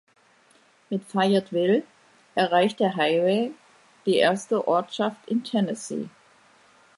Mit Fayetteville erreicht der Highway die erste Ortschaft in Tennessee.